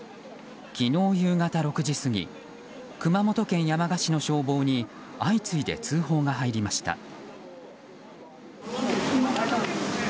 昨日夕方６時過ぎ熊本県山鹿市の消防に相次いで通報が入りました。